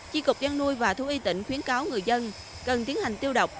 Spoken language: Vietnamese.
chi cục chăn nuôi và thú y tỉnh khuyến cáo người dân cần tiến hành tiêu độc